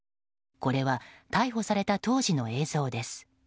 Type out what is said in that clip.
これは逮捕された当時の映像です。